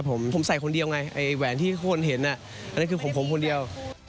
ผมใส่คนเดียวไงไอ้แหวนที่คนเห็นอันนั้นคือของผมคนเดียว